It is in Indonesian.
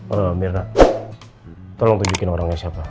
oh mirna tolong tunjukin orangnya siapa